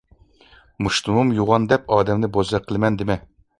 مۇشتۇمۇم يوغان دەپ ئادەمنى بوزەك قىلىمەن دېمە!